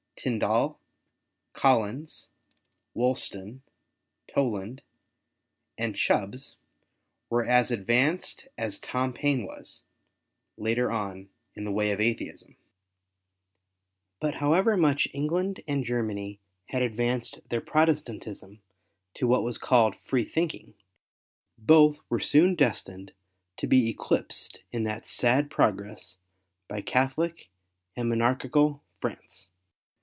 Tindal, Collins, Wolston, Toland, and Chubbs were as advanced as Tom Payne was, later on, in the way of Atheism. But however much England and Germany had advanced their Protestantism to what was called Free thinking, both were soon destined to be eclipsed in that sad progress by Catholic and monarchical France.